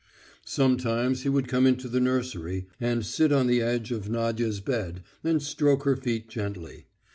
Sometimes he would come into the nursery and sit on the edge of Nadya's bed and stroke her feet gently.